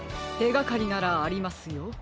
てがかりならありますよ。